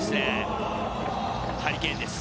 ハリケーンです。